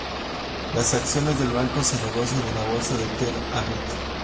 Las acciones del banco se negocian en la Bolsa de Tel Aviv.